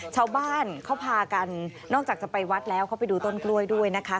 ชาวบ้านเขาพากันนอกจากจะไปวัดแล้วเขาไปดูต้นกล้วยด้วยนะคะ